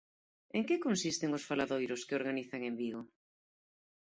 En que consisten os faladoiros que organizan en Vigo?